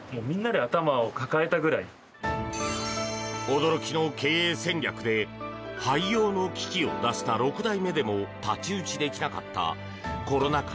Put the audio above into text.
驚きの経営戦略で廃業の危機を脱した６代目でも太刀打ちできなかったコロナ禍